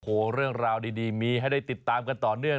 โอ้โหเรื่องราวดีมีให้ได้ติดตามกันต่อเนื่อง